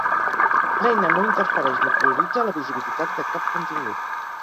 L'eina no interfereix ni prioritza la visibilitat de cap contingut.